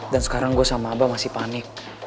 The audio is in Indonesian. dan sekarang gue sama aba masih panik